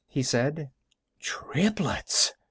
he said. "Triplets!"